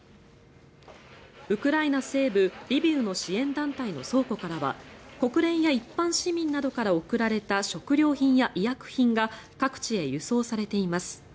ウクライナ西部リビウの支援団体の倉庫からは国連や一般市民などから送られた食料品や医薬品が各地へ輸送されています。